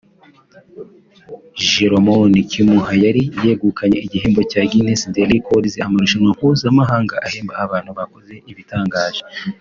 Jiroemon Kimura yari yaregukanye igihembo cya Guiness de Records (amarushwanwa mpuzamahanga ahemba abantu bakoze ibitangaje)